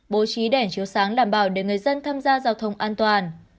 bố trí đèn chiếu sáng đảm bảo để người dân tham gia giao thông an toàn